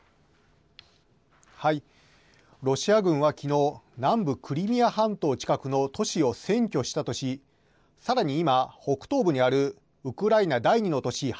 ロシア軍は、きのう南部クリミア半島近くの都市を占拠したとしさらに今、北東部にあるウクライナ第２の都市